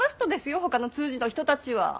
ほかの通詞の人たちは。